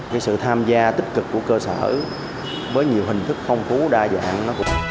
cái sự tham gia tích cực của cơ sở với nhiều hình thức phong phú đa dạng